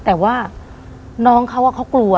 แต่ว่าน้องเขาเขากลัว